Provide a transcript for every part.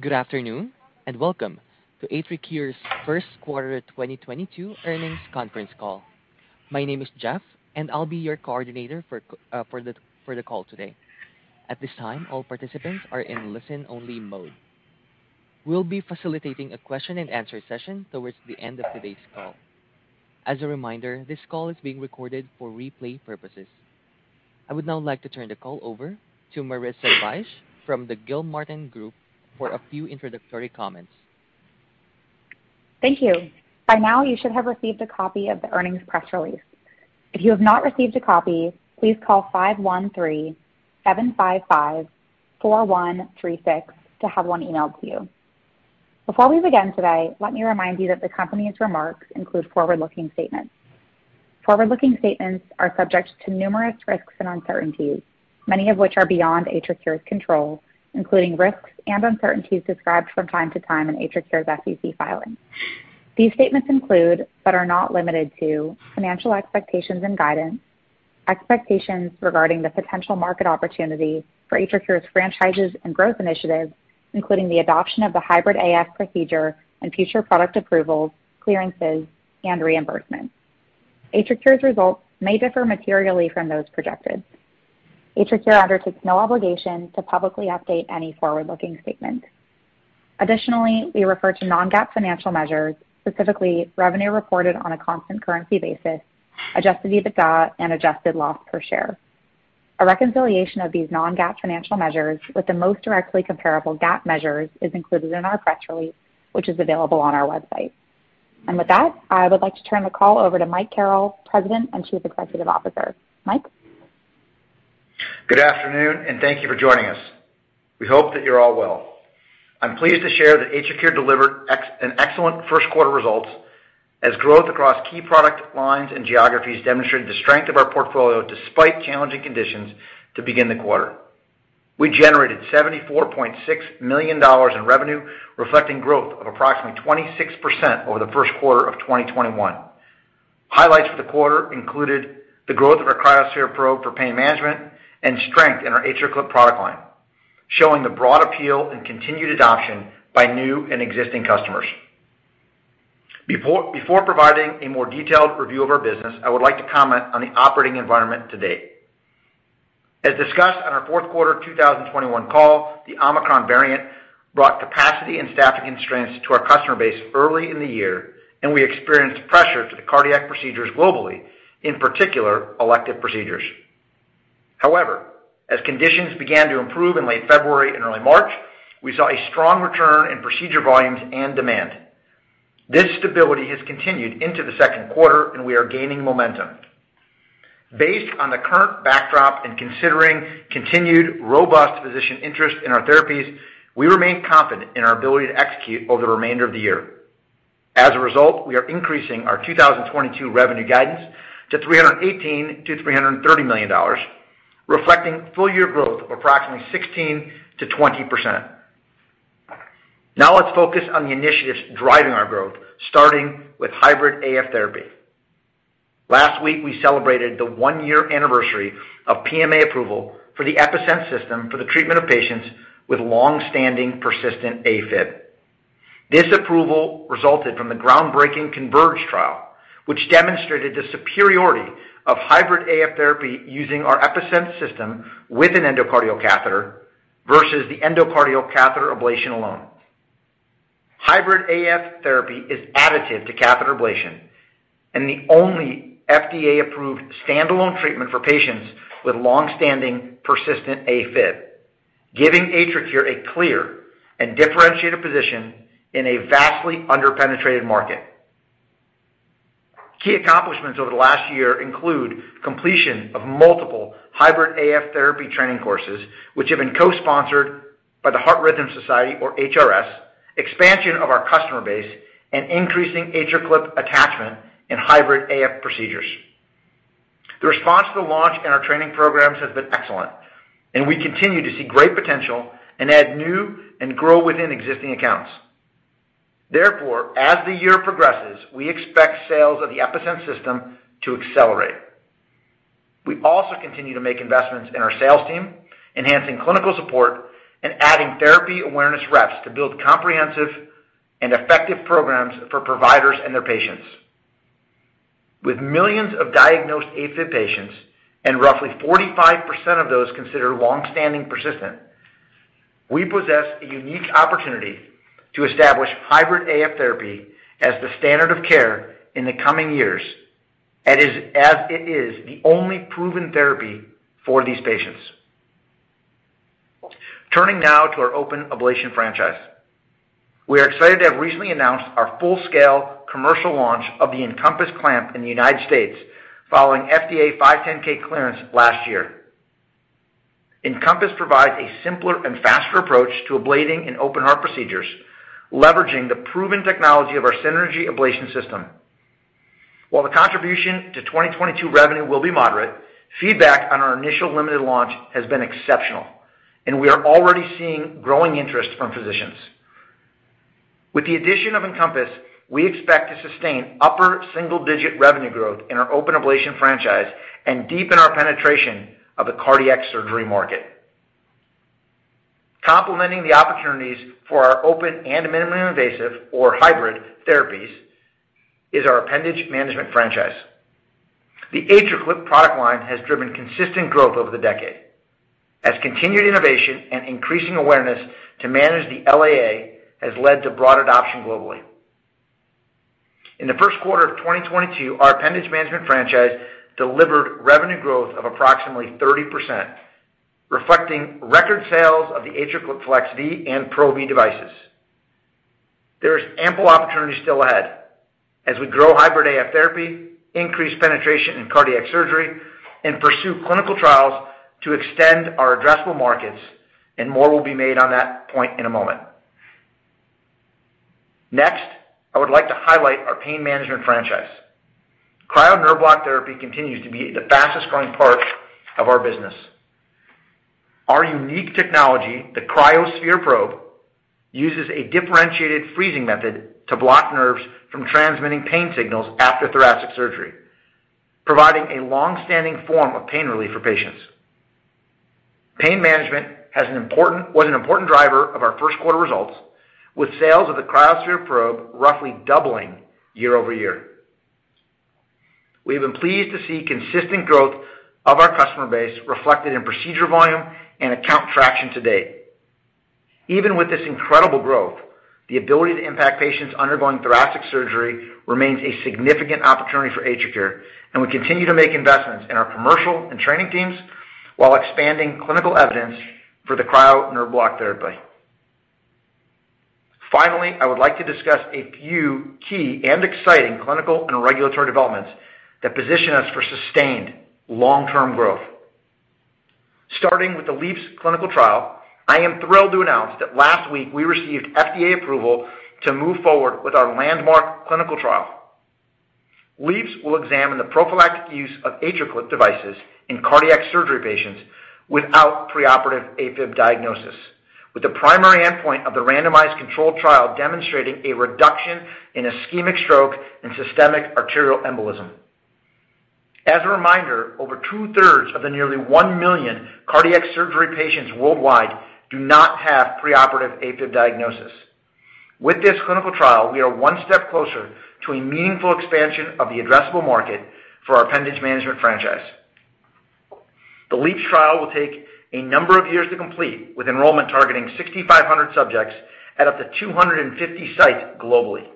Good afternoon, and welcome to AtriCure's First Quarter 2022 Earnings Conference Call. My name is Jeff, and I'll be your coordinator for the call today. At this time, all participants are in listen-only mode. We'll be facilitating a question and answer session towards the end of today's call. As a reminder, this call is being recorded for replay purposes. I would now like to turn the call over to Marissa Bych from the Gilmartin Group for a few introductory comments. Thank you. By now, you should have received a copy of the earnings press release. If you have not received a copy, please call 513-755-4136 to have one emailed to you. Before we begin today, let me remind you that the company's remarks include forward-looking statements. Forward-looking statements are subject to numerous risks and uncertainties, many of which are beyond AtriCure's control, including risks and uncertainties described from time to time in AtriCure's SEC filings. These statements include, but are not limited to, financial expectations and guidance, expectations regarding the potential market opportunity for AtriCure's franchises and growth initiatives, including the adoption of the hybrid AF procedure and future product approvals, clearances, and reimbursements. AtriCure's results may differ materially from those projected. AtriCure undertakes no obligation to publicly update any forward-looking statement. Additionally, we refer to non-GAAP financial measures, specifically revenue reported on a constant currency basis, Adjusted EBITDA, and adjusted loss per share. A reconciliation of these non-GAAP financial measures with the most directly comparable GAAP measures is included in our press release, which is available on our website. With that, I would like to turn the call over to Michael Carrel, President and Chief Executive Officer. Mike? Good afternoon, and thank you for joining us. We hope that you're all well. I'm pleased to share that AtriCure delivered an excellent first quarter results as growth across key product lines and geographies demonstrated the strength of our portfolio despite challenging conditions to begin the quarter. We generated $74.6 million in revenue, reflecting growth of approximately 26% over the first quarter of 2021. Highlights for the quarter included the growth of our cryoSPHERE probe for pain management and strength in our AtriClip product line, showing the broad appeal and continued adoption by new and existing customers. Before providing a more detailed review of our business, I would like to comment on the operating environment to date. As discussed on our fourth quarter 2021 call, the Omicron variant brought capacity and staffing constraints to our customer base early in the year, and we experienced pressure on the cardiac procedures globally, in particular, elective procedures. However, as conditions began to improve in late February and early March, we saw a strong return in procedure volumes and demand. This stability has continued into the second quarter, and we are gaining momentum. Based on the current backdrop and considering continued robust physician interest in our therapies, we remain confident in our ability to execute over the remainder of the year. As a result, we are increasing our 2022 revenue guidance to $318 million-$330 million, reflecting full year growth of approximately 16%-20%. Now let's focus on the initiatives driving our growth, starting with hybrid AF therapy. Last week, we celebrated the one-year anniversary of PMA approval for the Epi-Sense system for the treatment of patients with long-standing persistent AFib. This approval resulted from the groundbreaking CONVERGE trial, which demonstrated the superiority of hybrid AF therapy using ourEpi-Sense system with an endocardial catheter versus the endocardial catheter ablation alone. Hybrid AF therapy is additive to catheter ablation and the only FDA-approved standalone treatment for patients with long-standing persistent AFib, giving AtriCure a clear and differentiated position in a vastly under-penetrated market. Key accomplishments over the last year include completion of multiple hybrid AF therapy training courses, which have been co-sponsored by the Heart Rhythm Society or HRS, expansion of our customer base, and increasing AtriClip attachment in hybrid AF procedures. The response to the launch and our training programs has been excellent, and we continue to see great potential and add new and grow within existing accounts. Therefore, as the year progresses, we expect sales of theEpi-Sense system to accelerate. We also continue to make investments in our sales team, enhancing clinical support and adding therapy awareness reps to build comprehensive and effective programs for providers and their patients. With millions of diagnosed AFib patients and roughly 45% of those considered long-standing persistent, we possess a unique opportunity to establish hybrid AF therapy as the standard of care in the coming years as it is the only proven therapy for these patients. Turning now to our open ablation franchise. We are excited to have recently announced our full-scale commercial launch of the EnCompass Clamp in the United States following FDA 510(k) clearance last year. EnCompass provides a simpler and faster approach to ablating in open heart procedures, leveraging the proven technology of our Isolator Synergy ablation system. While the contribution to 2022 revenue will be moderate, feedback on our initial limited launch has been exceptional, and we are already seeing growing interest from physicians. With the addition of EnCompass, we expect to sustain upper single-digit revenue growth in our open ablation franchise and deepen our penetration of the cardiac surgery market. Complementing the opportunities for our open and minimally invasive or hybrid therapies is our appendage management franchise. The AtriClip product line has driven consistent growth over the decade as continued innovation and increasing awareness to manage the LAA has led to broad adoption globally. In the first quarter of 2022, our appendage management franchise delivered revenue growth of approximately 30%, reflecting record sales of the AtriClip FLEX•V and PRO•V devices. There is ample opportunity still ahead as we grow hybrid AF therapy, increase penetration in cardiac surgery, and pursue clinical trials to extend our addressable markets, and more will be made on that point in a moment. Next, I would like to highlight our pain management franchise. Cryo Nerve Block therapy continues to be the fastest-growing part of our business. Our unique technology, the cryoSPHERE probe, uses a differentiated freezing method to block nerves from transmitting pain signals after thoracic surgery, providing a long-standing form of pain relief for patients. Pain management was an important driver of our first quarter results, with sales of the cryoSPHERE probe roughly doubling YoY. We have been pleased to see consistent growth of our customer base reflected in procedure volume and account traction to date. Even with this incredible growth, the ability to impact patients undergoing thoracic surgery remains a significant opportunity for AtriCure, and we continue to make investments in our commercial and training teams while expanding clinical evidence for the Cryo Nerve Block therapy. Finally, I would like to discuss a few key and exciting clinical and regulatory developments that position us for sustained long-term growth. Starting with the LEAPS clinical trial, I am thrilled to announce that last week we received FDA approval to move forward with our landmark clinical trial. LEAPS will examine the prophylactic use of AtriClip devices in cardiac surgery patients without preoperative AFib diagnosis, with the primary endpoint of the randomized controlled trial demonstrating a reduction in ischemic stroke and systemic arterial embolism. As a reminder, over two-thirds of the nearly 1 million cardiac surgery patients worldwide do not have preoperative AFib diagnosis. With this clinical trial, we are one step closer to a meaningful expansion of the addressable market for our appendage management franchise. The LEAPS trial will take a number of years to complete, with enrollment targeting 6,500 subjects at up to 250 sites globally.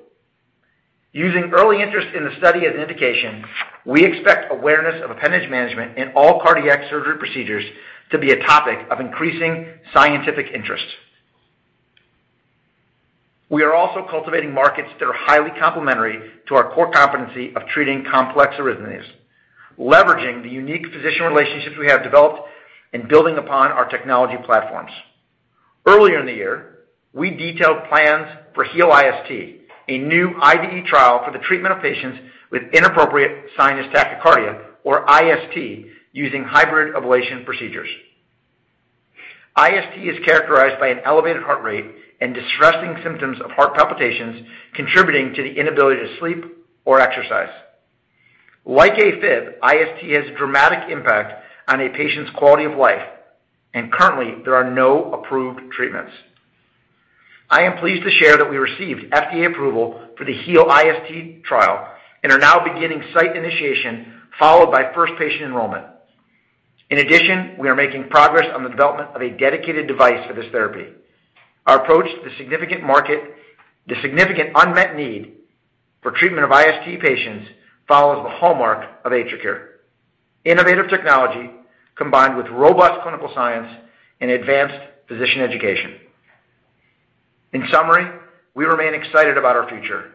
Using early interest in the study as an indication, we expect awareness of appendage management in all cardiac surgery procedures to be a topic of increasing scientific interest. We are also cultivating markets that are highly complementary to our core competency of treating complex arrhythmias, leveraging the unique physician relationships we have developed and building upon our technology platforms. Earlier in the year, we detailed plans for HEAL-IST, a new IDE trial for the treatment of patients with inappropriate sinus tachycardia, or IST, using hybrid ablation procedures. IST is characterized by an elevated heart rate and distressing symptoms of heart palpitations contributing to the inability to sleep or exercise. Like AFib, IST has a dramatic impact on a patient's quality of life, and currently there are no approved treatments. I am pleased to share that we received FDA approval for the HEAL-IST trial and are now beginning site initiation followed by first patient enrollment. In addition, we are making progress on the development of a dedicated device for this therapy. Our approach to the significant unmet need for treatment of IST patients follows the hallmark of AtriCure. Innovative technology combined with robust clinical science and advanced physician education. In summary, we remain excited about our future.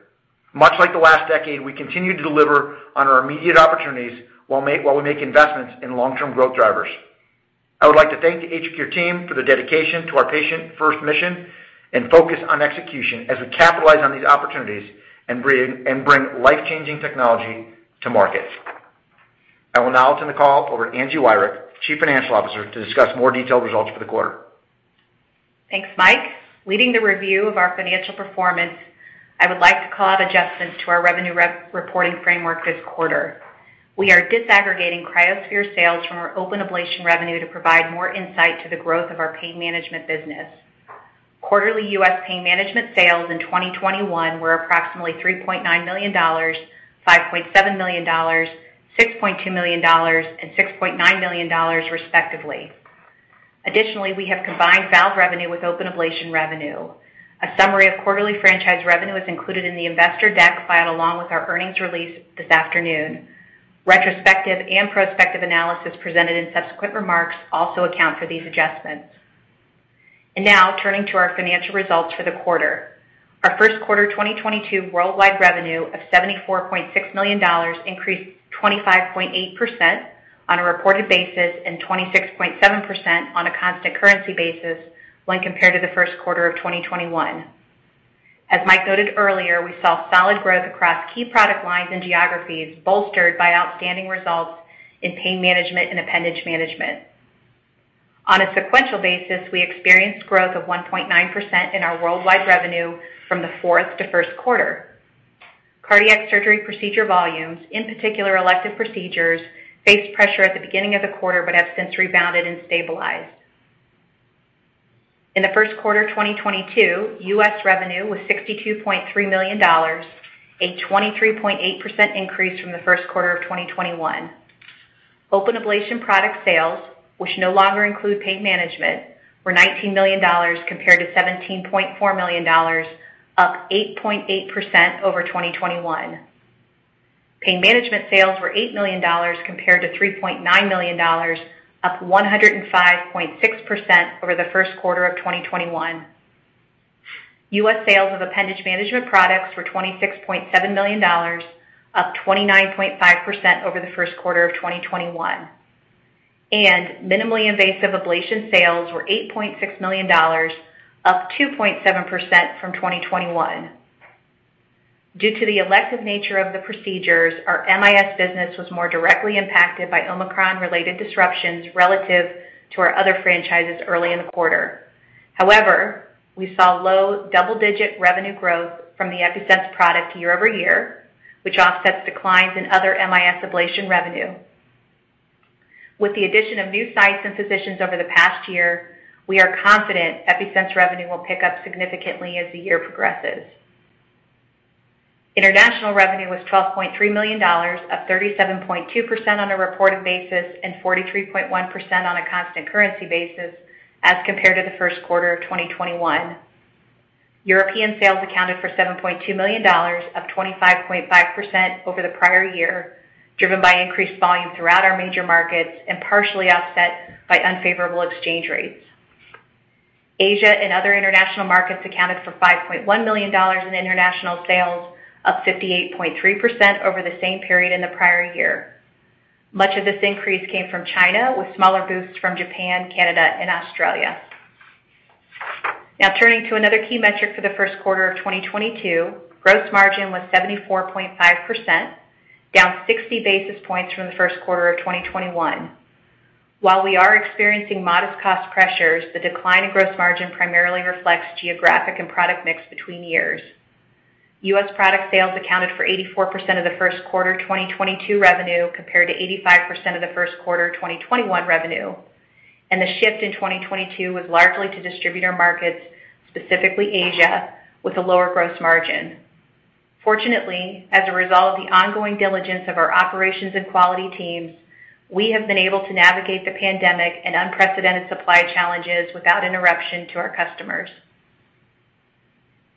Much like the last decade, we continue to deliver on our immediate opportunities while we make investments in long-term growth drivers. I would like to thank the AtriCure team for their dedication to our patient first mission and focus on execution as we capitalize on these opportunities and bring life-changing technology to market. I will now turn the call over to Angie Wirick, Chief Financial Officer, to discuss more detailed results for the quarter. Thanks, Mike. Leading the review of our financial performance, I would like to call out adjustments to our revenue re-reporting framework this quarter. We are disaggregating cryoSPHERE sales from our open ablation revenue to provide more insight to the growth of our pain management business. Quarterly U.S. pain management sales in 2021 were approximately $3.9 million, $5.7 million, $6.2 million, and $6.9 million respectively. Additionally, we have combined valve revenue with open ablation revenue. A summary of quarterly franchise revenue is included in the investor deck filed along with our earnings release this afternoon. Retrospective and prospective analysis presented in subsequent remarks also account for these adjustments. Now turning to our financial results for the quarter. Our first quarter 2022 worldwide revenue of $74.6 million increased 25.8% on a reported basis and 26.7% on a constant currency basis when compared to the first quarter of 2021. As Mike noted earlier, we saw solid growth across key product lines and geographies bolstered by outstanding results in pain management and appendage management. On a sequential basis, we experienced growth of 1.9% in our worldwide revenue from the fourth to first quarter. Cardiac surgery procedure volumes, in particular elective procedures, faced pressure at the beginning of the quarter but have since rebounded and stabilized. In the first quarter of 2022, U.S. revenue was $62.3 million, a 23.8% increase from the first quarter of 2021. Open ablation product sales, which no longer include pain management, were $19 million compared to $17.4 million, up 8.8% over 2021. Pain management sales were $8 million compared to $3.9 million, up 105.6% over the first quarter of 2021. U.S. sales of appendage management products were $26.7 million, up 29.5% over the first quarter of 2021. Minimally invasive ablation sales were $8.6 million, up 2.7% from 2021. Due to the elective nature of the procedures, our MIS business was more directly impacted by Omicron-related disruptions relative to our other franchises early in the quarter. However, we saw low double-digit revenue growth from the Epi-Sense product year-over-year, which offsets declines in other MIS ablation revenue. With the addition of new sites and physicians over the past year, we are confident Epi-Sense revenue will pick up significantly as the year progresses. International revenue was $12.3 million, up 37.2% on a reported basis and 43.1% on a constant currency basis as compared to the first quarter of 2021. European sales accounted for $7.2 million, up 25.5% over the prior year, driven by increased volume throughout our major markets and partially offset by unfavorable exchange rates. Asia and other international markets accounted for $5.1 million in international sales, up 58.3% over the same period in the prior year. Much of this increase came from China, with smaller boosts from Japan, Canada, and Australia. Now turning to another key metric for the first quarter of 2022. Gross margin was 74.5%, down 60 basis points from the first quarter of 2021. While we are experiencing modest cost pressures, the decline in gross margin primarily reflects geographic and product mix between years. US product sales accounted for 84% of the first quarter of 2022 revenue compared to 85% of the first quarter of 2021 revenue, and the shift in 2022 was largely to distributor markets, specifically Asia, with a lower gross margin. Fortunately, as a result of the ongoing diligence of our operations and quality teams, we have been able to navigate the pandemic and unprecedented supply challenges without interruption to our customers.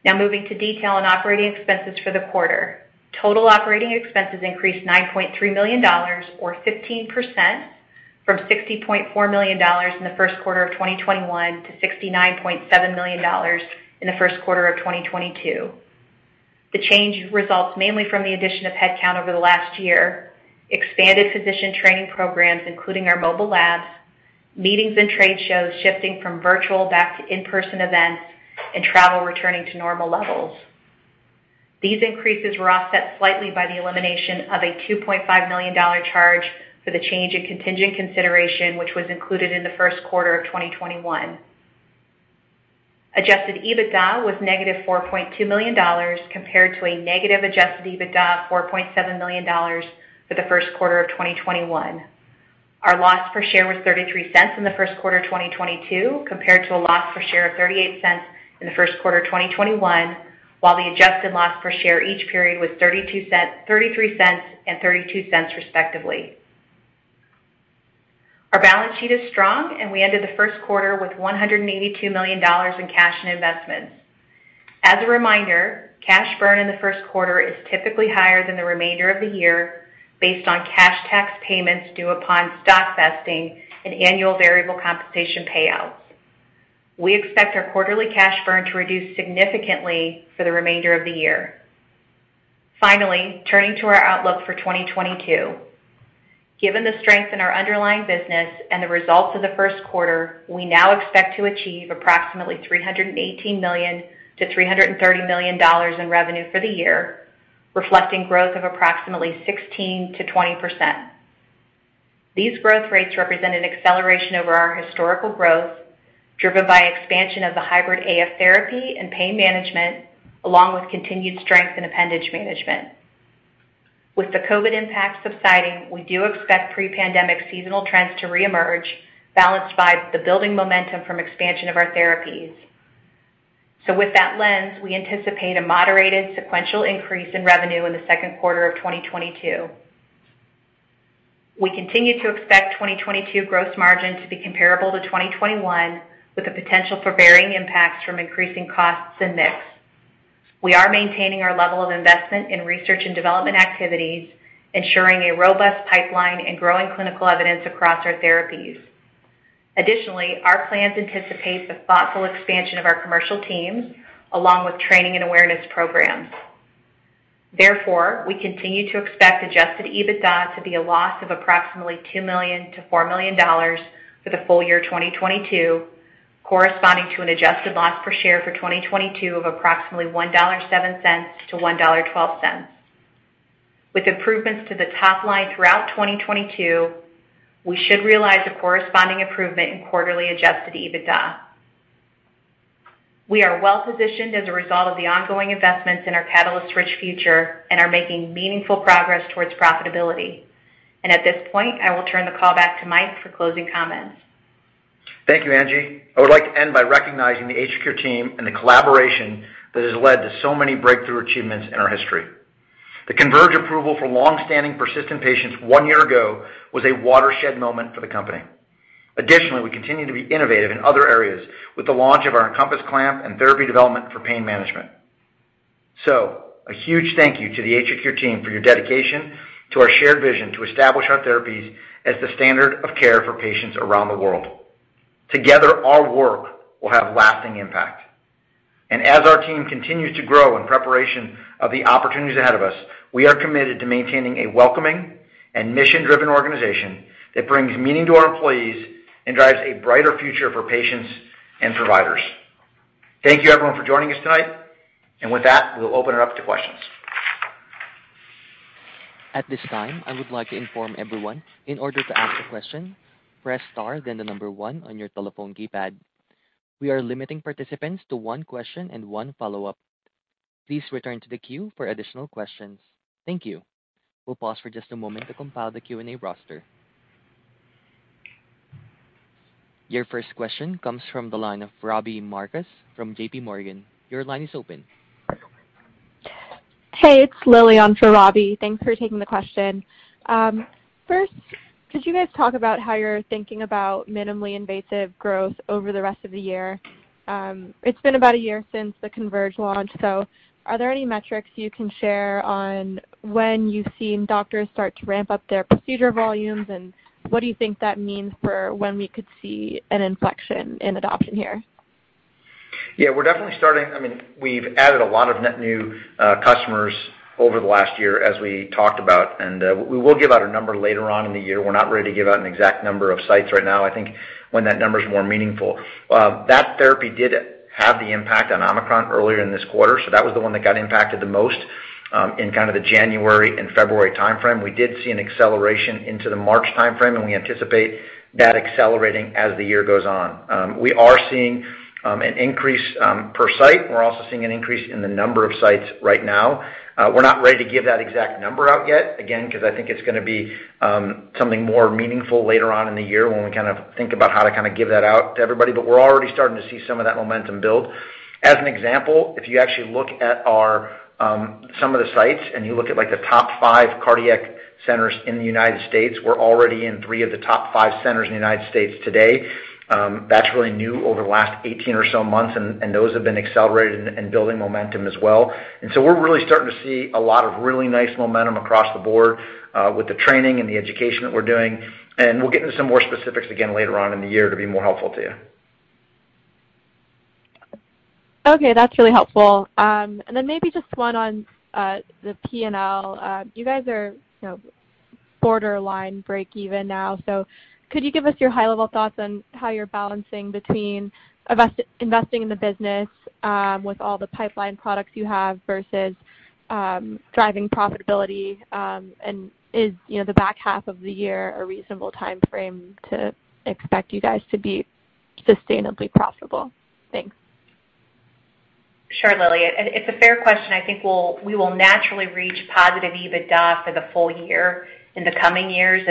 Now moving to detail on operating expenses for the quarter. Total operating expenses increased $9.3 million or 15% from $60.4 million in the first quarter of 2021 to $69.7 million in the first quarter of 2022. The change results mainly from the addition of headcount over the last year, expanded physician training programs, including our mobile labs, meetings and trade shows shifting from virtual back to in-person events, and travel returning to normal levels. These increases were offset slightly by the elimination of a $2.5 million charge for the change in contingent consideration, which was included in the first quarter of 2021. Adjusted EBITDA was negative $4.2 million compared to a negative Adjusted EBITDA of $4.7 million for the first quarter of 2021. Our loss per share was $0.33 in the first quarter of 2022 compared to a loss per share of $0.38 in the first quarter of 2021, while the adjusted loss per share each period was $0.32, $0.33 and $0.32, respectively. Our balance sheet is strong, and we ended the first quarter with $182 million in cash and investments. As a reminder, cash burn in the first quarter is typically higher than the remainder of the year based on cash tax payments due upon stock vesting and annual variable compensation payouts. We expect our quarterly cash burn to reduce significantly for the remainder of the year. Finally, turning to our outlook for 2022. Given the strength in our underlying business and the results of the first quarter, we now expect to achieve approximately $318 million-$330 million in revenue for the year, reflecting growth of approximately 16%-20%. These growth rates represent an acceleration over our historical growth, driven by expansion of the hybrid AF therapy and pain management, along with continued strength in appendage management. With the COVID impact subsiding, we do expect pre-pandemic seasonal trends to reemerge, balanced by the building momentum from expansion of our therapies. With that lens, we anticipate a moderated sequential increase in revenue in the second quarter of 2022. We continue to expect 2022 gross margin to be comparable to 2021, with the potential for varying impacts from increasing costs and mix. We are maintaining our level of investment in research and development activities, ensuring a robust pipeline and growing clinical evidence across our therapies. Additionally, our plans anticipate the thoughtful expansion of our commercial teams, along with training and awareness programs. Therefore, we continue to expect Adjusted EBITDA to be a loss of approximately $2 million-$4 million for the full year 2022, corresponding to an adjusted loss per share for 2022 of approximately $1.07-$1.12. With improvements to the top line throughout 2022, we should realize a corresponding improvement in quarterly Adjusted EBITDA. We are well-positioned as a result of the ongoing investments in our catalyst-rich future and are making meaningful progress towards profitability. At this point, I will turn the call back to Mike for closing comments. Thank you, Angie. I would like to end by recognizing the AtriCure team and the collaboration that has led to so many breakthrough achievements in our history. The CONVERGE approval for long-standing persistent patients one year ago was a watershed moment for the company. Additionally, we continue to be innovative in other areas with the launch of our EnCompass Clamp and therapy development for pain management. A huge thank you to the AtriCure team for your dedication to our shared vision to establish our therapies as the standard of care for patients around the world. Together, our work will have lasting impact. As our team continues to grow in preparation of the opportunities ahead of us, we are committed to maintaining a welcoming and mission-driven organization that brings meaning to our employees and drives a brighter future for patients and providers. Thank you everyone for joining us tonight. With that, we'll open it up to questions. At this time, I would like to inform everyone, in order to ask a question, press star then the number one on your telephone keypad. We are limiting participants to one question and one follow-up. Please return to the queue for additional questions. Thank you. We'll pause for just a moment to compile the Q&A roster. Your first question comes from the line of Robbie Marcus from JPMorgan Chase & Co. Your line is open. Hey, it's Lily on for Robbie. Thanks for taking the question. First, could you guys talk about how you're thinking about minimally invasive growth over the rest of the year? It's been about a year since the CONVERGE launch, so are there any metrics you can share on when you've seen doctors start to ramp up their procedure volumes, and what do you think that means for when we could see an inflection in adoption here? Yeah, we're definitely I mean, we've added a lot of net new customers over the last year as we talked about, and we will give out a number later on in the year. We're not ready to give out an exact number of sites right now. I think when that number is more meaningful. That therapy did have the impact on Omicron earlier in this quarter, so that was the one that got impacted the most, in kind of the January and February timeframe. We did see an acceleration into the March timeframe, and we anticipate that accelerating as the year goes on. We are seeing an increase per site. We're also seeing an increase in the number of sites right now. We're not ready to give that exact number out yet, again, 'cause I think it's gonna be something more meaningful later on in the year when we kind of think about how to kinda give that out to everybody, but we're already starting to see some of that momentum build. As an example, if you actually look at our some of the sites and you look at, like, the top five cardiac centers in the United States, we're already in three of the top five centers in the United States today. That's really new over the last 18 or so months, and those have been accelerated and building momentum as well. We're really starting to see a lot of really nice momentum across the board, with the training and the education that we're doing, and we'll get into some more specifics again later on in the year to be more helpful to you. Okay, that's really helpful. Maybe just one on the P&L. You guys are, you know, borderline break even now. Could you give us your high-level thoughts on how you're balancing between investing in the business with all the pipeline products you have versus driving profitability, and is, you know, the back half of the year a reasonable timeframe to expect you guys to be sustainably profitable? Thanks. Sure, Lily. It's a fair question. I think we will naturally reach positive EBITDA for the full year in the coming years.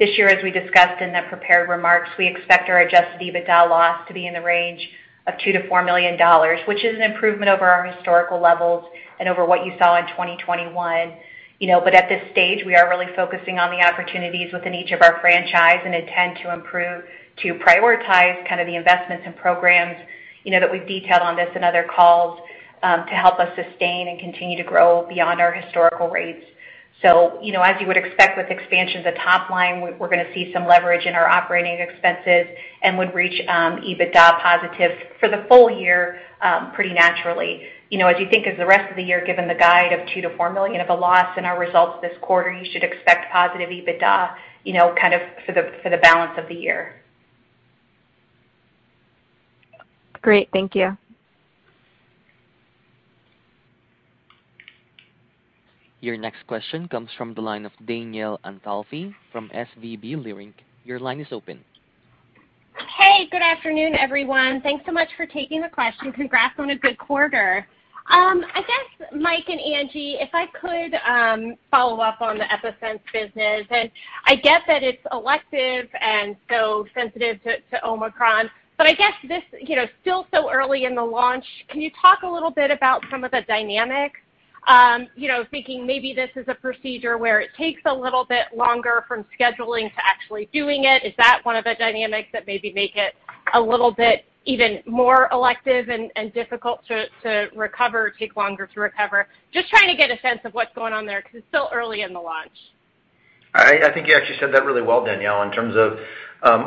This year, as we discussed in the prepared remarks, we expect our Adjusted EBITDA loss to be in the range of $2-$4 million, which is an improvement over our historical levels and over what you saw in 2021, you know. At this stage, we are really focusing on the opportunities within each of our franchise and intend to improve to prioritize kind of the investments and programs, you know, that we've detailed on this and other calls, to help us sustain and continue to grow beyond our historical rates. You know, as you would expect with expansions of top line, we're gonna see some leverage in our operating expenses and would reach EBITDA positive for the full year pretty naturally. You know, as you think of the rest of the year, given the guide of $2 million-$4 million of a loss in our results this quarter, you should expect positive EBITDA, you know, kind of for the balance of the year. Great. Thank you. Your next question comes from the line of Danielle Antalffy from SVB Leerink. Your line is open. Hey, good afternoon, everyone. Thanks so much for taking the question. Congrats on a good quarter. I guess, Mike and Angie, if I could, follow up on the Epi-Sense business. I get that it's elective and so sensitive to Omicron, but I guess this, you know, still so early in the launch, can you talk a little bit about some of the dynamics? You know, thinking maybe this is a procedure where it takes a little bit longer from scheduling to actually doing it. Is that one of the dynamics that maybe make it a little bit even more elective and difficult to recover, take longer to recover? Just trying to get a sense of what's going on there 'cause it's still early in the launch. I think you actually said that really well, Danielle, in terms of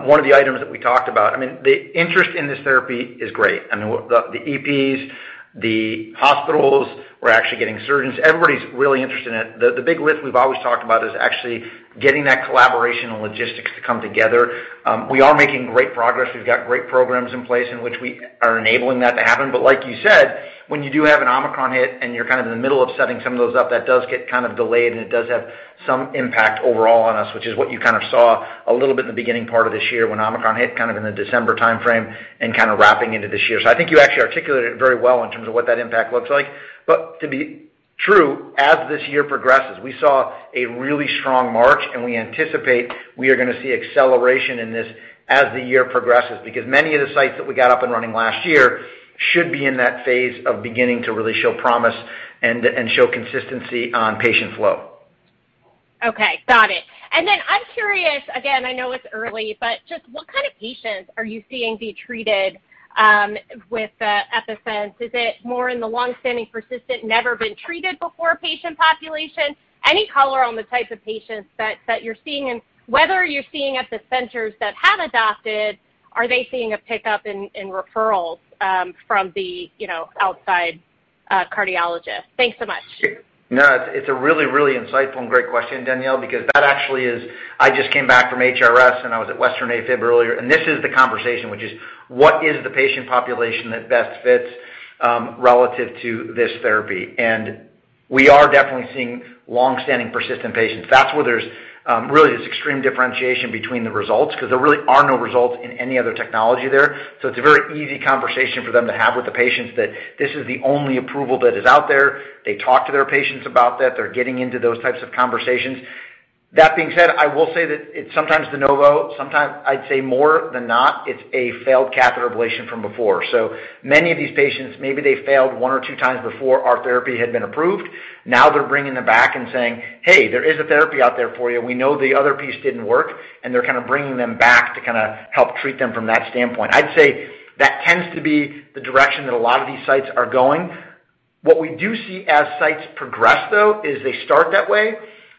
one of the items that we talked about. I mean, the interest in this therapy is great. I mean, the EPs, the hospitals, we're actually getting surgeons. Everybody's really interested in it. The big risk we've always talked about is actually getting that collaboration and logistics to come together. We are making great progress. We've got great programs in place in which we are enabling that to happen. Like you said, when you do have an Omicron hit and you're kind of in the middle of setting some of those up, that does get kind of delayed, and it does have some impact overall on us, which is what you kind of saw a little bit in the beginning part of this year when Omicron hit kind of in the December timeframe and kind of wrapping into this year. I think you actually articulated it very well in terms of what that impact looks like. To be true, as this year progresses, we saw a really strong March, and we anticipate we are gonna see acceleration in this as the year progresses. Because many of the sites that we got up and running last year should be in that phase of beginning to really show promise and show consistency on patient flow. Okay, got it. I'm curious, again, I know it's early, but just what kind of patients are you seeing be treated with the Epi-Sense? Is it more in the long-standing persistent never been treated before patient population? Any color on the types of patients that that you're seeing and whether you're seeing at the centers that have adopted, are they seeing a pickup in referrals from the, you know, outside cardiologist? Thanks so much. No, it's a really insightful and great question, Danielle, because that actually is. I just came back from HRS, and I was at Western AFib earlier, and this is the conversation, which is. What is the patient population that best fits relative to this therapy? We are definitely seeing long-standing persistent patients. That's where there's really this extreme differentiation between the results 'cause there really are no results in any other technology there. It's a very easy conversation for them to have with the patients that this is the only approval that is out there. They talk to their patients about that. They're getting into those types of conversations. That being said, I will say that it's sometimes de novo, sometimes I'd say more than not, it's a failed catheter ablation from before. Many of these patients, maybe they failed one or two times before our therapy had been approved. Now they're bringing them back and saying, "Hey, there is a therapy out there for you. We know the other piece didn't work." They're kinda bringing them back to kinda help treat them from that standpoint. I'd say that tends to be the direction that a lot of these sites are going. What we do see as sites progress, though, is they start that way,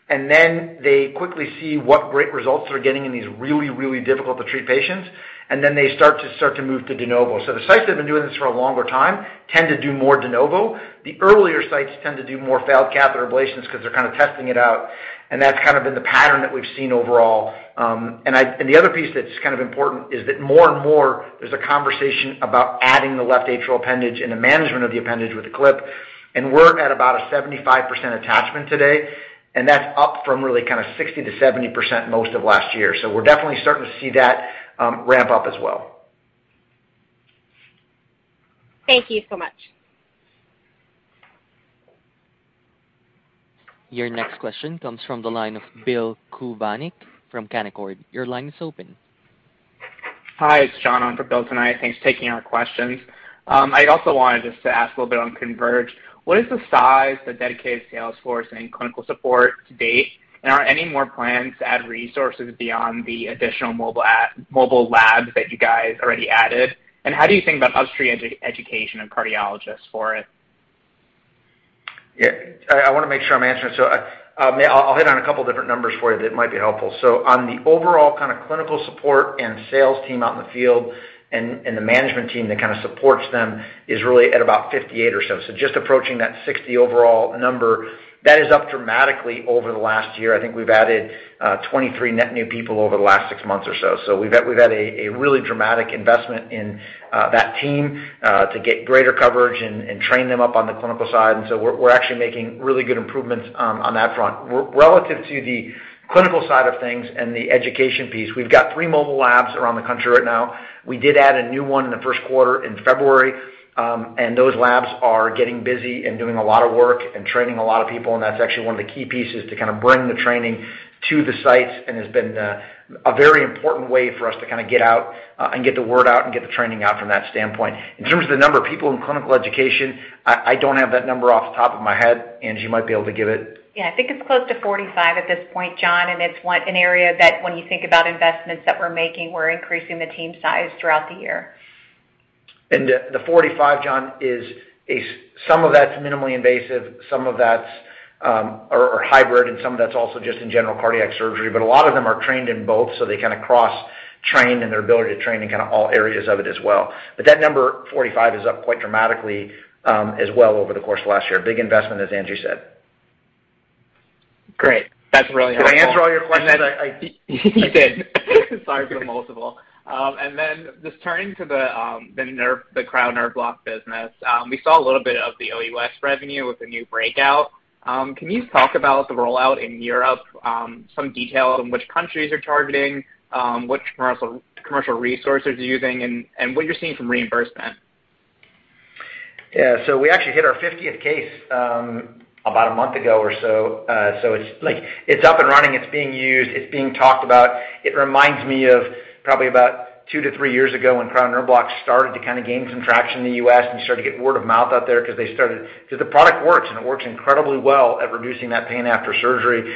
and then they quickly see what great results they're getting in these really, really difficult to treat patients, and then they start to move to de novo. The sites that have been doing this for a longer time tend to do more de novo. The earlier sites tend to do more failed catheter ablations 'cause they're kinda testing it out, and that's kind of been the pattern that we've seen overall. The other piece that's kind of important is that more and more there's a conversation about adding the left atrial appendage and the management of the appendage with the clip, and we're at about a 75% attachment today, and that's up from really kinda 60%-70% most of last year. We're definitely starting to see that, ramp up as well. Thank you so much. Your next question comes from the line of Bill from Canaccord Genuity. Your line is open. Hi, it's John on for Bill tonight. Thanks for taking our questions. I also wanted just to ask a little bit on CONVERGE. What is the size of the dedicated sales force and clinical support to date? And are there any more plans to add resources beyond the additional mobile labs that you guys already added? And how do you think about upstream education and cardiologists for it? Yeah. I wanna make sure I'm answering. I'll hit on a couple different numbers for you that might be helpful. On the overall kinda clinical support and sales team out in the field and the management team that kinda supports them is really at about 58 or so. Just approaching that 60 overall number. That is up dramatically over the last year. I think we've added 23 net new people over the last 6 months or so. We've had a really dramatic investment in that team to get greater coverage and train them up on the clinical side. We're actually making really good improvements on that front. Relative to the clinical side of things and the education piece, we've got 3 mobile labs around the country right now. We did add a new one in the first quarter in February, and those labs are getting busy and doing a lot of work and training a lot of people, and that's actually one of the key pieces to kinda bring the training to the sites and has been a very important way for us to kinda get out and get the word out and get the training out from that standpoint. In terms of the number of people in clinical education, I don't have that number off the top of my head. Angie might be able to give it. Yeah. I think it's close to 45 at this point, John, and it's an area that when you think about investments that we're making, we're increasing the team size throughout the year. The 45, John, is some of that's minimally invasive, some of that's are hybrid, and some of that's also just in general cardiac surgery. A lot of them are trained in both, so they kinda cross-train in their ability to train in kinda all areas of it as well. That number 45 is up quite dramatically as well over the course of last year. Big investment, as Angie said. Great. That's really helpful. Did I answer all your questions? You did. Sorry for the multiple. Then just turning to the Cryo Nerve Block business. We saw a little bit of the OUS revenue with the new breakout. Can you talk about the rollout in Europe, some detail on which countries you're targeting, what commercial resources you're using and what you're seeing from reimbursement? Yeah. We actually hit our 50th case about a month ago or so. It's up and running. It's being used. It's being talked about. It reminds me of probably about 2-3 years ago when Cryo Nerve Block started to kinda gain some traction in the U.S. and started to get word of mouth out there 'cause the product works, and it works incredibly well at reducing that pain after surgery.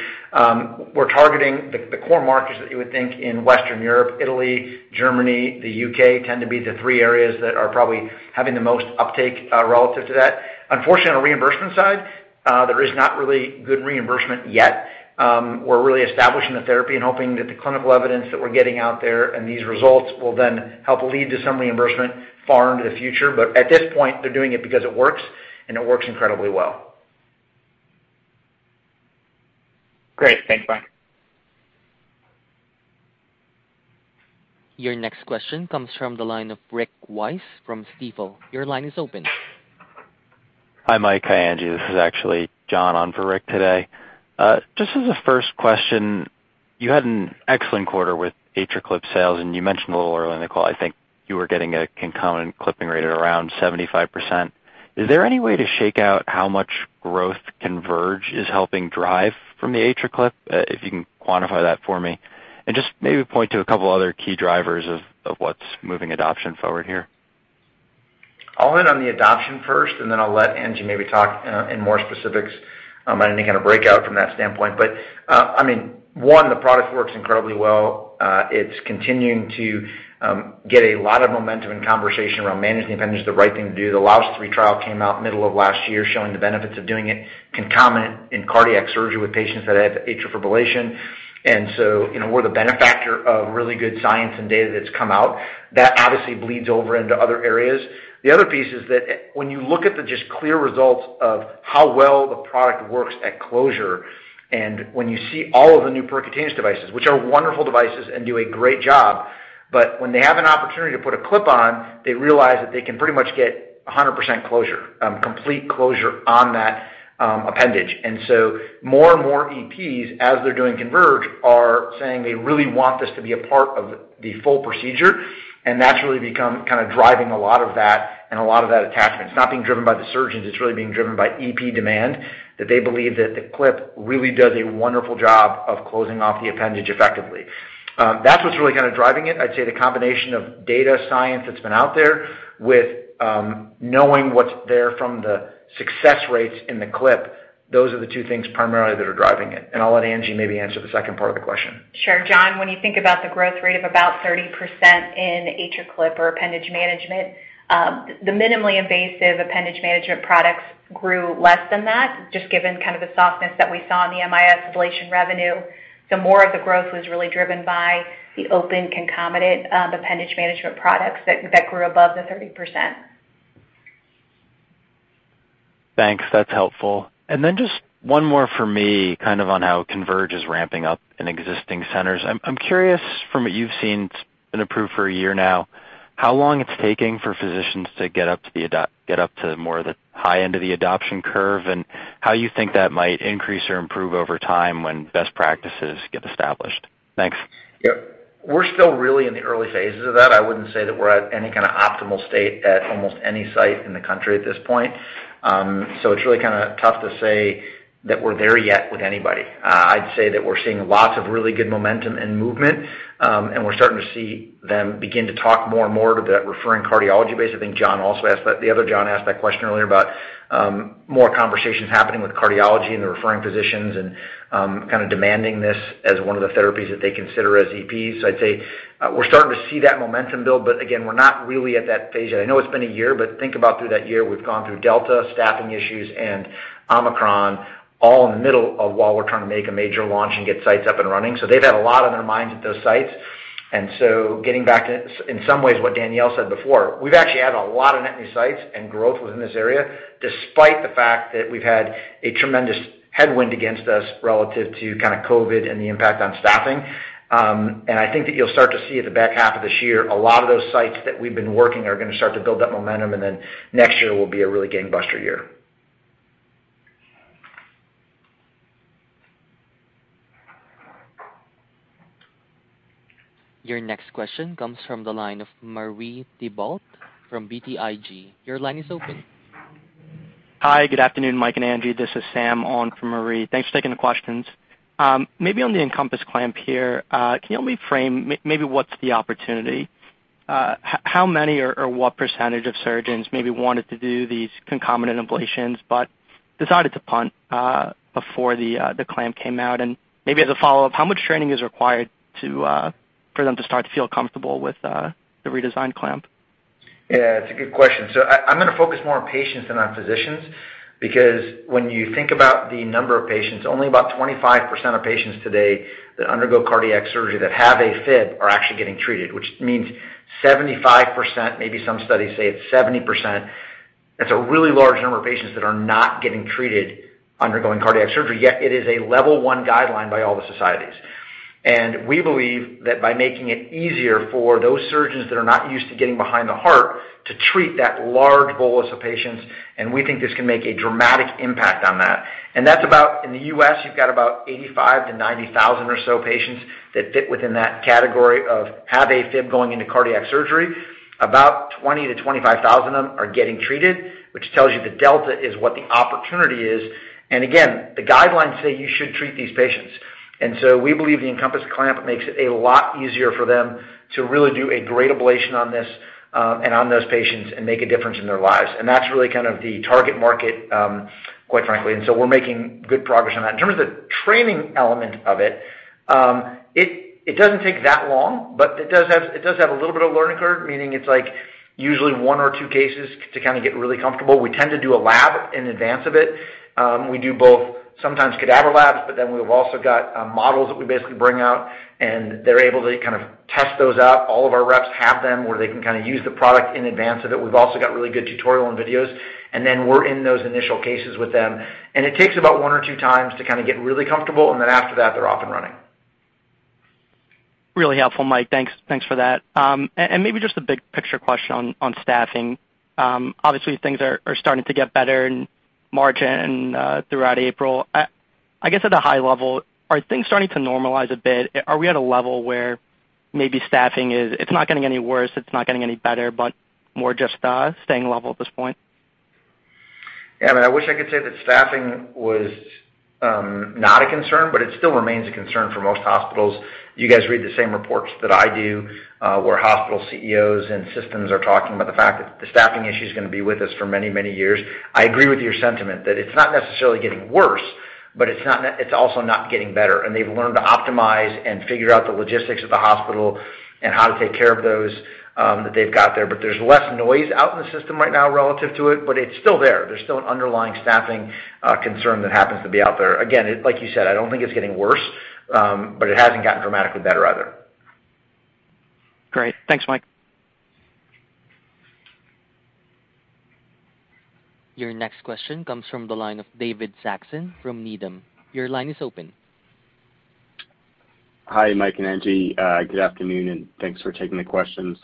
We're targeting the core markets that you would think in Western Europe, Italy, Germany, the U.K. tend to be the three areas that are probably having the most uptake relative to that. Unfortunately, on the reimbursement side, there is not really good reimbursement yet. We're really establishing the therapy and hoping that the clinical evidence that we're getting out there and these results will then help lead to some reimbursement far into the future. At this point, they're doing it because it works, and it works incredibly well. Great. Thanks. Bye. Your next question comes from the line of Rick Wise from Stifel. Your line is open. Hi, Mike. Hi, Angie. This is actually John on for Rick today. Just as a first question, you had an excellent quarter with AtriClip sales, and you mentioned a little earlier in the call, I think you were getting a concomitant clipping rate at around 75%. Is there any way to shake out how much growth CONVERGE is helping drive from the AtriClip? If you can quantify that for me. Just maybe point to a couple other key drivers of what's moving adoption forward here. I'll hit on the adoption first, and then I'll let Angie maybe talk in more specifics on any kind of breakout from that standpoint. I mean, one, the product works incredibly well. It's continuing to get a lot of momentum and conversation around managing appendage is the right thing to do. The last three trials came out middle of last year showing the benefits of doing it concomitant in cardiac surgery with patients that have atrial fibrillation. You know, we're the beneficiary of really good science and data that's come out. That obviously bleeds over into other areas. The other piece is that when you look at the just clear results of how well the product works at closure, and when you see all of the new percutaneous devices, which are wonderful devices and do a great job, but when they have an opportunity to put a clip on, they realize that they can pretty much get 100% closure, complete closure on that, appendage. More and more EPs, as they're doing CONVERGE, are saying they really want this to be a part of the full procedure, and that's really become kind of driving a lot of that and a lot of that attachment. It's not being driven by the surgeons, it's really being driven by EP demand, that they believe that the clip really does a wonderful job of closing off the appendage effectively. That's what's really kind of driving it. I'd say the combination of data science that's been out there with, knowing what's there from the success rates in the clip, those are the two things primarily that are driving it. I'll let Angie maybe answer the second part of the question. Sure. John, when you think about the growth rate of about 30% in AtriClip or appendage management, the minimally invasive appendage management products grew less than that, just given kind of the softness that we saw in the MIS ablation revenue. More of the growth was really driven by the open concomitant appendage management products that grew above the 30%. Thanks. That's helpful. Just one more for me, kind of on how CONVERGE is ramping up in existing centers. I'm curious from what you've seen, it's been approved for a year now, how long it's taking for physicians to get up to more of the high end of the adoption curve, and how you think that might increase or improve over time when best practices get established. Thanks. Yep. We're still really in the early phases of that. I wouldn't say that we're at any kinda optimal state at almost any site in the country at this point. It's really kinda tough to say that we're there yet with anybody. I'd say that we're seeing lots of really good momentum and movement, and we're starting to see them begin to talk more and more to that referring cardiology base. I think John also asked that. The other John asked that question earlier about more conversations happening with cardiology and the referring physicians and kinda demanding this as one of the therapies that they consider as EPs. I'd say we're starting to see that momentum build, but again, we're not really at that phase yet. I know it's been a year, but think about through that year, we've gone through Delta, staffing issues, and Omicron all in the middle of while we're trying to make a major launch and get sites up and running. They've had a lot on their minds at those sites. In some ways, what Danielle said before, we've actually added a lot of net new sites and growth within this area, despite the fact that we've had a tremendous headwind against us relative to kinda COVID and the impact on staffing. I think that you'll start to see at the back half of this year, a lot of those sites that we've been working are gonna start to build that momentum, and then next year will be a really gangbuster year. Your next question comes from the line of Marie Thibault from BTIG. Your line is open. Hi, good afternoon, Mike and Angie. This is Sam on for Marie. Thanks for taking the questions. Maybe on the EnCompass Clamp here, can you help me frame maybe what's the opportunity? How many or what percentage of surgeons maybe wanted to do these concomitant ablations but decided to punt before the clamp came out? Maybe as a follow-up, how much training is required for them to start to feel comfortable with the redesigned clamp? Yeah, it's a good question. I'm gonna focus more on patients than on physicians, because when you think about the number of patients, only about 25% of patients today that undergo cardiac surgery that have AFib are actually getting treated, which means 75%, maybe some studies say it's 70%, that's a really large number of patients that are not getting treated undergoing cardiac surgery, yet it is a level one guideline by all the societies. We believe that by making it easier for those surgeons that are not used to getting behind the heart to treat that large bolus of patients, and we think this can make a dramatic impact on that. That's about, in the U.S., you've got about 85,000-90,000 or so patients that fit within that category of have AFib going into cardiac surgery. About 20,000-25,000 of them are getting treated, which tells you the delta is what the opportunity is. Again, the guidelines say you should treat these patients. We believe the EnCompass Clamp makes it a lot easier for them to really do a great ablation on this, and on those patients and make a difference in their lives. That's really kind of the target market, quite frankly. We're making good progress on that. In terms of the training element of it doesn't take that long, but it does have a little bit of a learning curve, meaning it's like usually one or two cases to kinda get really comfortable. We tend to do a lab in advance of it. We do both sometimes cadaver labs, but then we've also got models that we basically bring out, and they're able to kind of test those out. All of our reps have them, where they can kinda use the product in advance of it. We've also got really good tutorial and videos, and then we're in those initial cases with them. It takes about 1 or 2 times to kinda get really comfortable, and then after that, they're off and running. Really helpful, Mike. Thanks for that. Maybe just a big picture question on staffing. Obviously, things are starting to get better in March and throughout April. I guess at a high level, are things starting to normalize a bit? Are we at a level where maybe staffing is. It's not getting any worse, it's not getting any better, but more just staying level at this point? I wish I could say that staffing was not a concern, but it still remains a concern for most hospitals. You guys read the same reports that I do, where hospital CEOs and systems are talking about the fact that the staffing issue is gonna be with us for many, many years. I agree with your sentiment that it's not necessarily getting worse, but it's also not getting better. They've learned to optimize and figure out the logistics of the hospital and how to take care of those that they've got there. There's less noise out in the system right now relative to it, but it's still there. There's still an underlying staffing concern that happens to be out there. Again, like you said, I don't think it's getting worse, but it hasn't gotten dramatically better either. Great. Thanks, Mike. Your next question comes from the line of David Saxon from Needham. Your line is open. Hi, Mike and Angie. Good afternoon, and thanks for taking the questions.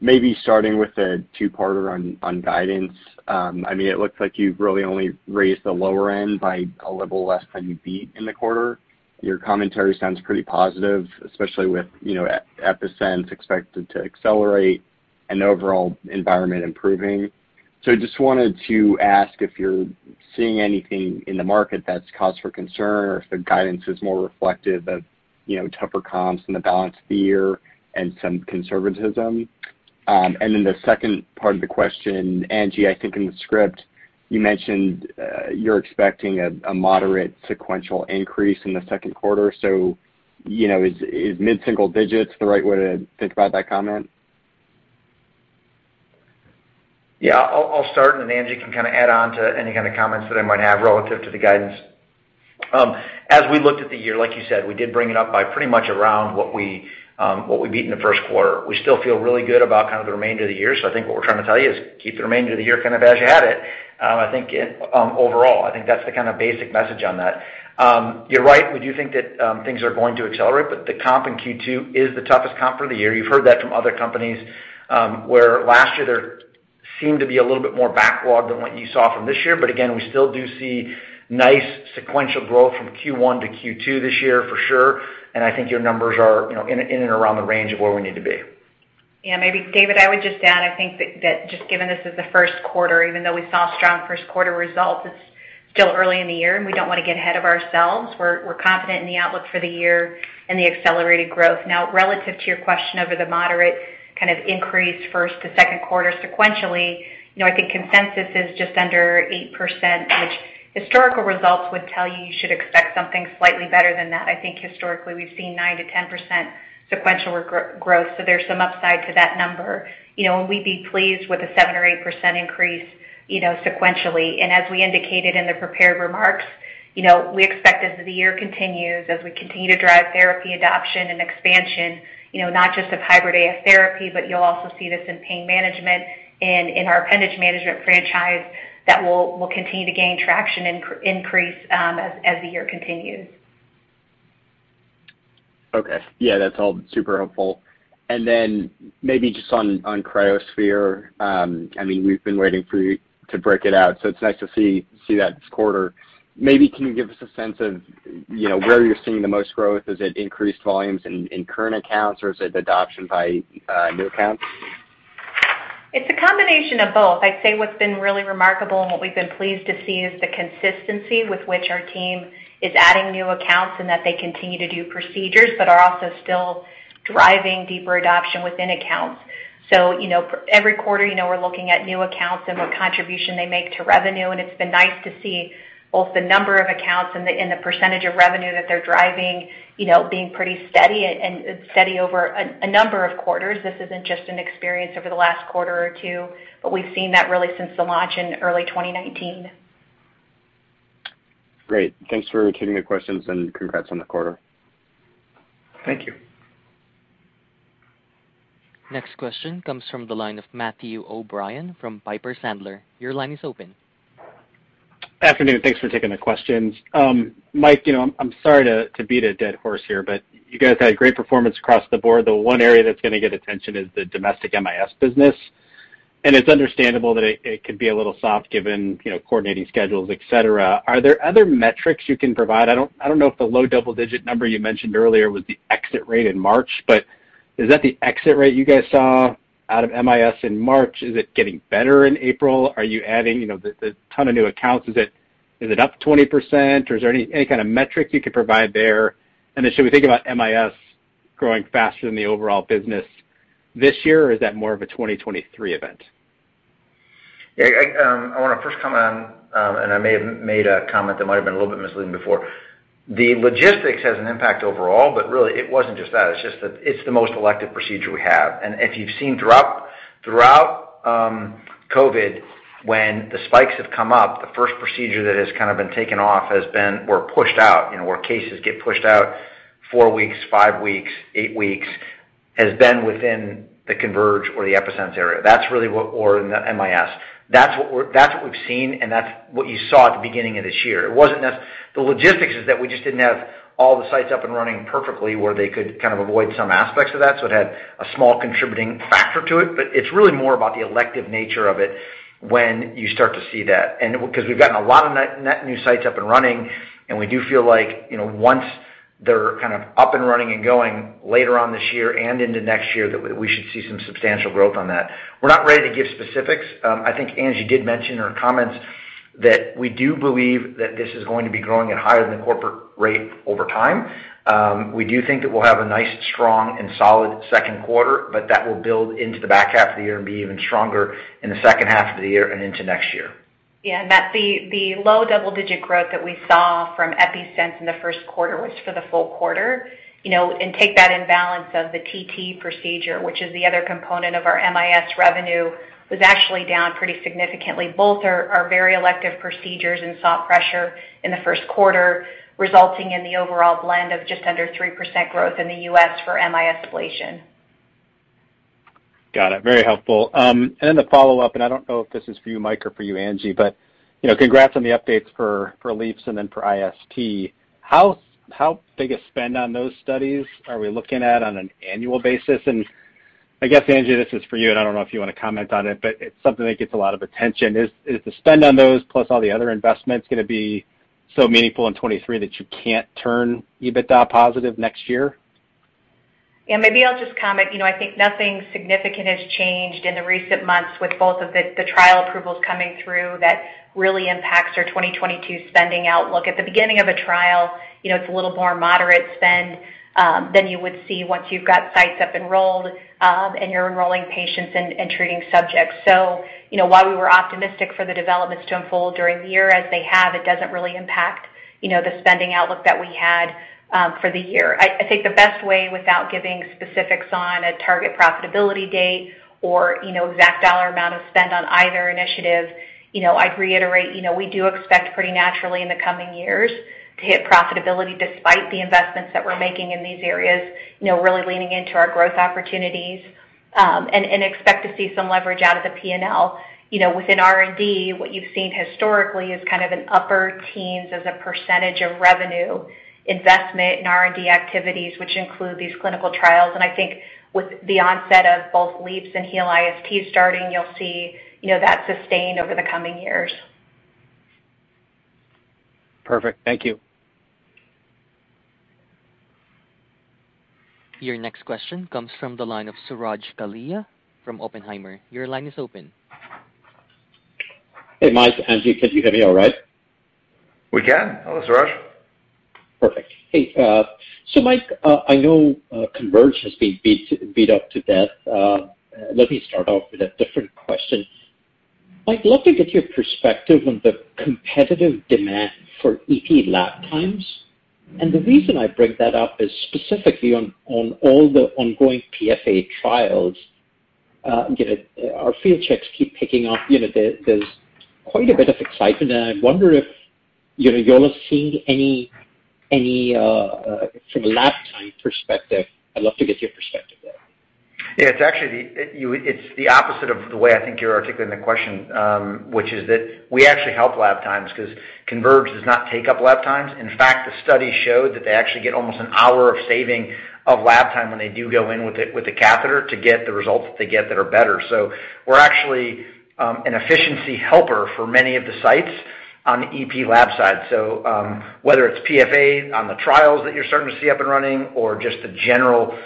Maybe starting with a two-parter on guidance. I mean, it looks like you've really only raised the lower end by a little less than you beat in the quarter. Your commentary sounds pretty positive, especially with Epi-Sense expected to accelerate and the overall environment improving. I just wanted to ask if you're seeing anything in the market that's cause for concern or if the guidance is more reflective of tougher comps in the back half of the year and some conservatism. Then the second part of the question, Angie, I think in the script you mentioned you're expecting a moderate sequential increase in the second quarter. Is mid-single digits the right way to think about that comment? Yeah. I'll start and then Angie can kinda add on to any kinda comments that I might have relative to the guidance. As we looked at the year, like you said, we did bring it up by pretty much around what we beat in the first quarter. We still feel really good about kind of the remainder of the year. I think what we're trying to tell you is keep the remainder of the year kind of as you had it. I think overall, that's the kind of basic message on that. You're right, we do think that things are going to accelerate, but the comp in Q2 is the toughest comp for the year. You've heard that from other companies, where last year there seemed to be a little bit more backlog than what you saw from this year. Again, we still do see nice sequential growth from Q1 to Q2 this year for sure, and I think your numbers are, you know, in and around the range of where we need to be. Yeah. Maybe David, I would just add, I think that just given this is the first quarter, even though we saw strong first quarter results, it's still early in the year, and we don't wanna get ahead of ourselves. We're confident in the outlook for the year and the accelerated growth. Now, relative to your question over the moderate kind of increase first to second quarter sequentially, you know, I think consensus is just under 8%, which historical results would tell you you should expect something slightly better than that. I think historically we've seen 9%-10% sequential growth. So there's some upside to that number. You know, and we'd be pleased with a 7% or 8% increase, you know, sequentially. As we indicated in the prepared remarks, you know, we expect as the year continues, as we continue to drive therapy adoption and expansion, you know, not just of hybrid AF therapy, but you'll also see this in pain management and in our appendage management franchise that will continue to gain traction and increase as the year continues. Okay. Yeah, that's all super helpful. Maybe just on cryoSPHERE, I mean, we've been waiting for you to break it out, so it's nice to see that this quarter. Maybe can you give us a sense of, you know, where you're seeing the most growth? Is it increased volumes in current accounts or is it adoption by new accounts? It's a combination of both. I'd say what's been really remarkable and what we've been pleased to see is the consistency with which our team is adding new accounts and that they continue to do procedures, but are also still driving deeper adoption within accounts. You know, every quarter, you know, we're looking at new accounts and what contribution they make to revenue, and it's been nice to see both the number of accounts and the percentage of revenue that they're driving, you know, being pretty steady and steady over a number of quarters. This isn't just an experience over the last quarter or two, but we've seen that really since the launch in early 2019. Great. Thanks for taking the questions, and congrats on the quarter. Thank you. Next question comes from the line of Matthew O'Brien from Piper Sandler. Your line is open. Afternoon. Thanks for taking the questions. Mike, you know, I'm sorry to beat a dead horse here, but you guys had great performance across the board. The one area that's gonna get attention is the domestic MIS business, and it's understandable that it could be a little soft given, you know, coordinating schedules, et cetera. Are there other metrics you can provide? I don't know if the low double digit number you mentioned earlier was the exit rate in March, but is that the exit rate you guys saw out of MIS in March? Is it getting better in April? Are you adding, you know, the ton of new accounts? Is it up 20%, or is there any kind of metric you could provide there? Should we think about MIS growing faster than the overall business this year, or is that more of a 2023 event? Yeah. I wanna first comment on, and I may have made a comment that might have been a little bit misleading before. The logistics has an impact overall, but really it wasn't just that. It's just that it's the most elective procedure we have. If you've seen throughout COVID, when the spikes have come up, the first procedure that has kind of been taken off has been or pushed out, you know, where cases get pushed out 4 weeks, 5 weeks, 8 weeks has been within the CONVERGE or the Epi-Sense area. That's really what or in the MIS. That's what we've seen, and that's what you saw at the beginning of this year. It wasn't that the logistics is that we just didn't have all the sites up and running perfectly where they could kind of avoid some aspects of that. It had a small contributing factor to it, but it's really more about the elective nature of it when you start to see that. 'Cause we've gotten a lot of net new sites up and running, and we do feel like, you know, once they're kind of up and running and going later on this year and into next year that we should see some substantial growth on that. We're not ready to give specifics. I think Angie did mention in her comments that we do believe that this is going to be growing at higher than corporate rate over time. We do think that we'll have a nice, strong, and solid second quarter, but that will build into the back half of the year and be even stronger in the second half of the year and into next year. Yeah. That the low double-digit growth that we saw from Epi-Sense in the first quarter was for the full quarter. You know, take that imbalance of the TT procedure, which is the other component of our MIS revenue, was actually down pretty significantly. Both are very elective procedures and saw pressure in the first quarter, resulting in the overall blend of just under 3% growth in the U.S. for MIS ablation. Got it. Very helpful. Then the follow-up, and I don't know if this is for you, Mike, or for you, Angie, but, you know, congrats on the updates for LEAPS and then for IST. How big a spend on those studies are we looking at on an annual basis? I guess, Angie, this is for you, and I don't know if you wanna comment on it, but it's something that gets a lot of attention. Is the spend on those plus all the other investments gonna be so meaningful in 2023 that you can't turn EBITDA positive next year? Yeah, maybe I'll just comment. You know, I think nothing significant has changed in the recent months with both of the trial approvals coming through that really impacts our 2022 spending outlook. At the beginning of a trial, you know, it's a little more moderate spend than you would see once you've got sites up enrolled and you're enrolling patients and treating subjects. You know, while we were optimistic for the developments to unfold during the year as they have, it doesn't really impact the spending outlook that we had for the year. I think the best way without giving specifics on a target profitability date or, you know, exact dollar amount of spend on either initiative, you know, I'd reiterate, you know, we do expect pretty naturally in the coming years to hit profitability despite the investments that we're making in these areas, you know, really leaning into our growth opportunities, and expect to see some leverage out of the P&L. You know, within R&D, what you've seen historically is kind of an upper teens% of revenue investment in R&D activities, which include these clinical trials. I think with the onset of both LEAPS and HEAL-IST starting, you'll see, you know, that sustained over the coming years. Perfect. Thank you. Your next question comes from the line of Suraj Kalia from Oppenheimer. Your line is open. Hey, Mike, Angie, can you hear me all right? We can. Hello, Suraj. Perfect. Hey, so Mike, I know, CONVERGE has been beat up to death. Let me start off with a different question. Mike, love to get your perspective on the competitive demand for EP lab times. The reason I bring that up is specifically on all the ongoing PFA trials, you know, our field checks keep picking up, you know, there's quite a bit of excitement, and I wonder if, you know, you all are seeing any, from a lab time perspective. I'd love to get your perspective there. Yeah, it's actually the opposite of the way I think you're articulating the question, which is that we actually help lab times 'cause CONVERGE does not take up lab times. In fact, the study showed that they actually get almost an hour of savings of lab time when they do go in with the catheter to get the results that they get that are better. We're actually an efficiency helper for many of the sites on the EP lab side. Whether it's PFA on the trials that you're starting to see up and running or just the general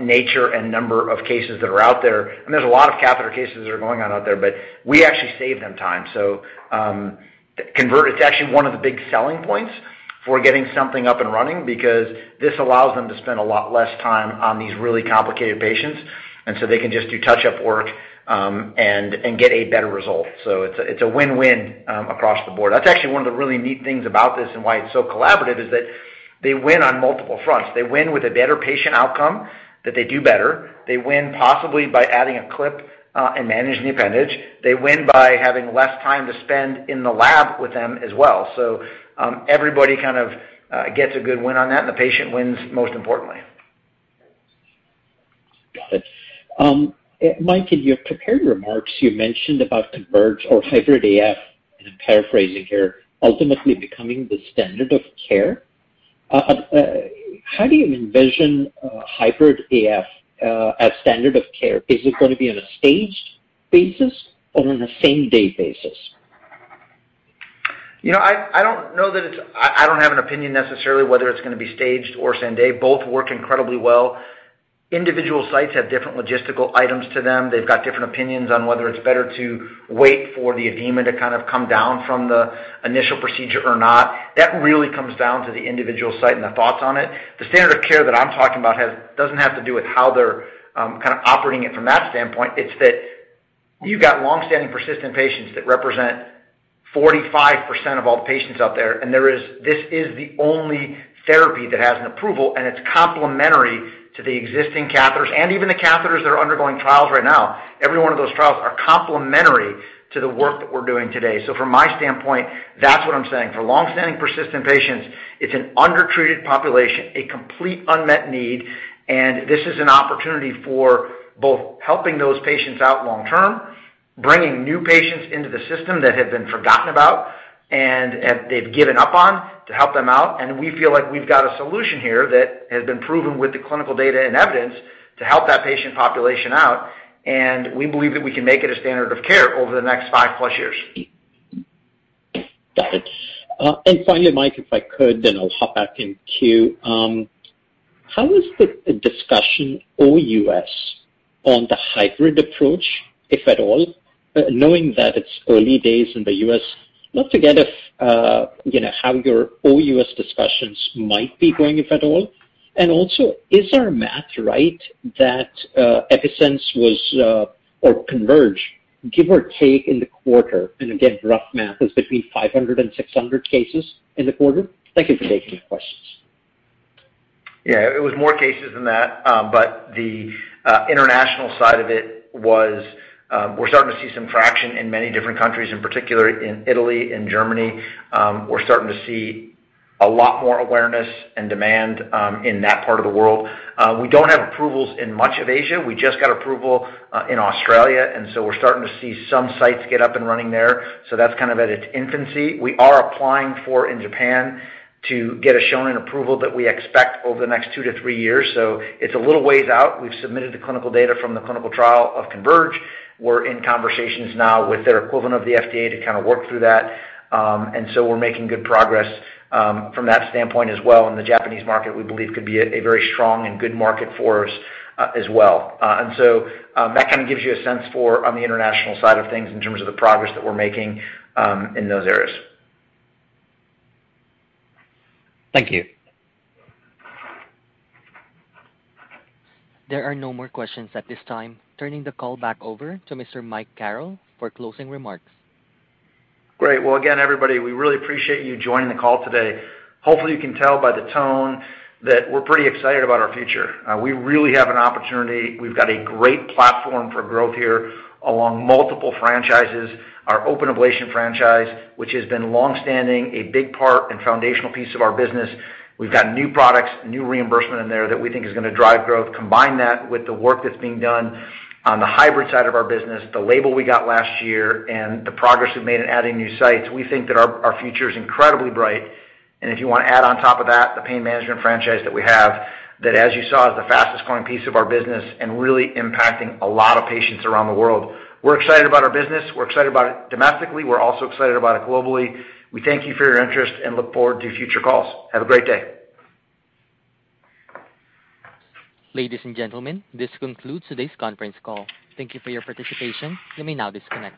nature and number of cases that are out there, and there's a lot of catheter cases that are going on out there, but we actually save them time. CONVERGE, it's actually one of the big selling points for getting something up and running because this allows them to spend a lot less time on these really complicated patients. They can just do touch-up work, and get a better result. It's a win-win across the board. That's actually one of the really neat things about this and why it's so collaborative is that they win on multiple fronts. They win with a better patient outcome that they do better. They win possibly by adding a clip, and managing the appendage. They win by having less time to spend in the lab with them as well. Everybody kind of gets a good win on that, and the patient wins, most importantly. Got it. Mike, in your prepared remarks, you mentioned about CONVERGE or hybrid AF, and I'm paraphrasing here, ultimately becoming the standard of care. How do you envision a hybrid AF as standard of care? Is it gonna be on a staged basis or on a same day basis? You know, I don't know that it's. I don't have an opinion necessarily whether it's gonna be staged or same day. Both work incredibly well. Individual sites have different logistical items to them. They've got different opinions on whether it's better to wait for the edema to kind of come down from the initial procedure or not. That really comes down to the individual site and the thoughts on it. The standard of care that I'm talking about doesn't have to do with how they're kind of operating it from that standpoint. It's that you've got long-standing persistent patients that represent 45% of all the patients out there, and there is this is the only therapy that has an approval, and it's complementary to the existing catheters and even the catheters that are undergoing trials right now. Every one of those trials are complementary to the work that we're doing today. From my standpoint, that's what I'm saying. For long-standing persistent patients, it's an undertreated population, a complete unmet need. This is an opportunity for both helping those patients out long term, bringing new patients into the system that have been forgotten about and they've given up on to help them out. We feel like we've got a solution here that has been proven with the clinical data and evidence to help that patient population out. We believe that we can make it a standard of care over the next 5+ years. Got it. Finally, Mike, if I could, then I'll hop back in queue. How is the discussion OUS on the hybrid approach, if at all, knowing that it's early days in the US, love to get if, you know, how your OUS discussions might be going, if at all. Also, is our math right that Epi-Sense was or CONVERGE, give or take in the quarter, and again, rough math, is between 500 and 600 cases in the quarter? Thank you for taking the questions. Yeah. It was more cases than that. The international side of it was, we're starting to see some traction in many different countries, in particular in Italy, in Germany. We're starting to see a lot more awareness and demand in that part of the world. We don't have approvals in much of Asia. We just got approval in Australia, and so we're starting to see some sites get up and running there. That's kind of at its infancy. We are applying for in Japan to get a Shonin approval that we expect over the next 2-3 years. It's a little ways out. We've submitted the clinical data from the clinical trial of CONVERGE. We're in conversations now with their equivalent of the FDA to kind of work through that. We're making good progress, from that standpoint as well. The Japanese market, we believe, could be a very strong and good market for us, as well. That kinda gives you a sense for on the international side of things in terms of the progress that we're making, in those areas. Thank you. There are no more questions at this time. Turning the call back over to Mr. Michael Carrel for closing remarks. Great. Well, again, everybody, we really appreciate you joining the call today. Hopefully, you can tell by the tone that we're pretty excited about our future. We really have an opportunity. We've got a great platform for growth here along multiple franchises. Our open ablation franchise, which has been long-standing, a big part and foundational piece of our business. We've got new products, new reimbursement in there that we think is gonna drive growth. Combine that with the work that's being done on the hybrid side of our business, the label we got last year, and the progress we've made in adding new sites. We think that our future is incredibly bright. If you wanna add on top of that, the pain management franchise that we have, that, as you saw, is the fastest growing piece of our business and really impacting a lot of patients around the world. We're excited about our business. We're excited about it domestically. We're also excited about it globally. We thank you for your interest and look forward to future calls. Have a great day. Ladies and gentlemen, this concludes today's conference call. Thank you for your participation. You may now disconnect.